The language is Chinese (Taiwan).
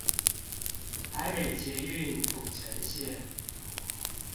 臺北捷運土城線